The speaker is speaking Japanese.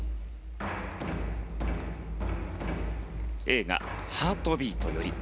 映画「ハートビート」より。